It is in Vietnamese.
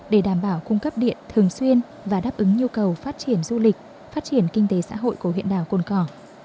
để đảm bảo cung cấp điện thường xuyên và đáp ứng nhu cầu phát triển du lịch phát triển kinh tế xã hội của huyện đảo cồn cỏ